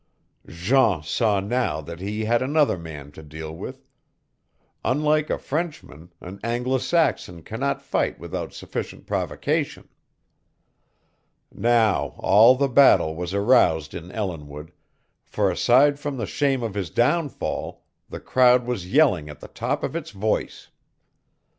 Jean saw now that he had another man to deal with unlike a Frenchman, an Anglo Saxon cannot fight without sufficient provocation. Now all the battle was aroused in Ellinwood, for aside from the shame of his downfall, the crowd was yelling at the top of its voice.